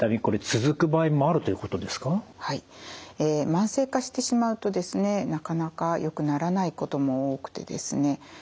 慢性化してしまうとですねなかなかよくならないことも多くてですね